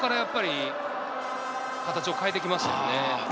そこからやっぱり形を変えてきましたよね。